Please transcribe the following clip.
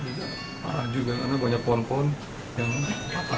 itu juga ada banyak pohon pohon yang apa